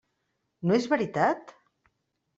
No és veritat?